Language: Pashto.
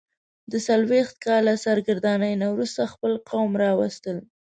د څلوېښت کاله سرګرانۍ نه وروسته خپل قوم راوستل.